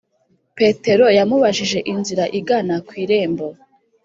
petero yamubajije inzira igana ku irembo,